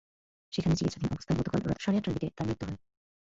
সেখানে চিকিৎসাধীন অবস্থায় গতকাল সকাল সাড়ে আটটার দিকে তাঁর মৃত্যু হয়।